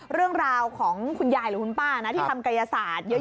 เรื่องราวของคุณยายหรือคุณป้านะที่ทำกายศาสตร์เยอะ